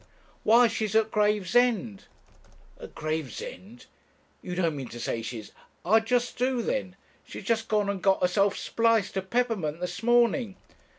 'Why she's at Gravesend.' 'At Gravesend you don't mean to say she's ' 'I just do then; she's just gone and got herself spliced to Peppermint this morning.